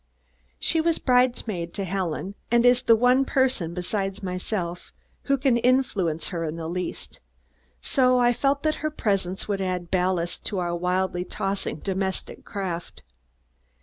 She was bridesmaid to Helen and is the one person, besides myself, who can influence her in the least, so I felt that her presence would add ballast to our wildly tossing domestic craft.